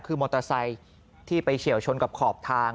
คือมอเตอร์ไซค์ที่ไปเฉียวชนกับขอบทาง